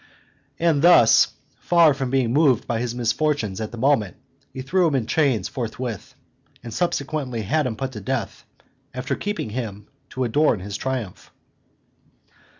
And thus, far from being moved by his misfortunes at the moment, he threw him in chains forthwith, and subsequently had him put to death, after keeping him to adorn his triumph."